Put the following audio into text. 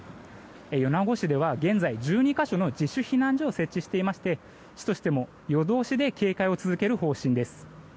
米子市では現在１２か所の自主避難所を設置していまして市としても、夜通しで警戒を続ける方針です。